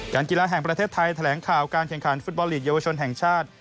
กีฬาแห่งประเทศไทยแถลงข่าวการแข่งขันฟุตบอลลีกเยาวชนแห่งชาติ